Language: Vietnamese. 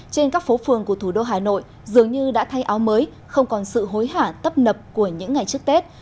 trên các phố phường của thủ đô hà nội dường như đã thay áo mới không còn sự hối hả tấp nập của những ngày trước tết